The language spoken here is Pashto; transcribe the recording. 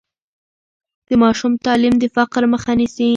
د ماشوم تعلیم د فقر مخه نیسي.